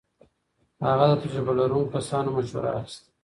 هغه د تجربه لرونکو کسانو مشوره اخيسته.